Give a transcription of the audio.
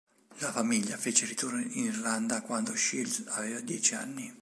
La famiglia fece ritorno in Irlanda quando Shields aveva dieci anni.